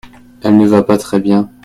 Elle ne va pas très bien.